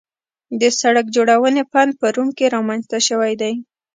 د سړک جوړونې فن په روم کې رامنځته شوی دی